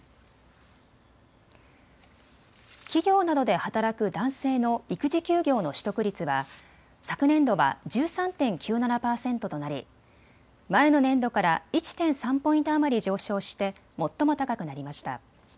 企業などで働く男性の育児休業の取得率は昨年度は１３．９７％となり前の年度から１．３ポイント余り上昇して最も高くなりました。